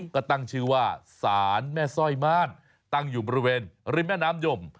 ก็ตั้งชื่อว่าศาลแม่สร้อยม่านตั้งอยู่บริเวณริมแม่น้ำยม